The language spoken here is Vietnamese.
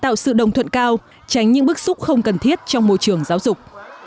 ợ đồng thuận cao tránh những bức xúc không cần thiết trong môi trường giáo dục